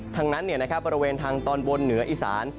ทั้งนั้นเนี่ยนะครับบริเวณทางตอนบนเหนืออิสาน